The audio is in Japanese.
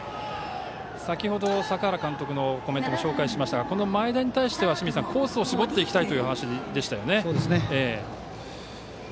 先ほど、坂原監督のコメントも紹介しましたがこの前田に対してはコースを絞っていきたいという話でしたよね。